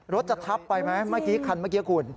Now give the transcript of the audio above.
รถจะทับไปไหมคันเมื่อกี้คุณ